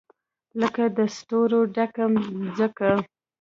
لکه د ستورو ډکه مځکه